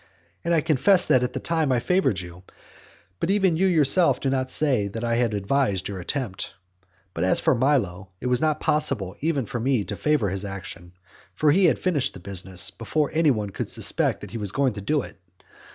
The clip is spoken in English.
And I confess that at that time I favoured you, but even you yourself do not say that I had advised your attempt. But as for Milo, it was not possible even for me to favour his action. For he had finished the business before any one could suspect that he was going to do it.